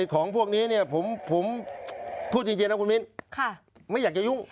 ของพวกนี้เนี่ยผมพูดจริงนะคุณมิ้นไม่อยากจะยุ่ง